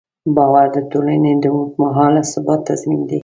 باور د ټولنې د اوږدمهاله ثبات تضمین دی.